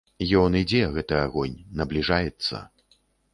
Ён ідзе, гэты агонь, набліжаецца.